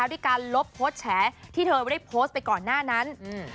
ด้วยการลบโพสต์แฉที่เธอได้โพสต์ไปก่อนหน้านั้น